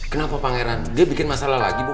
kenapa pangeran dia bikin masalah lagi bu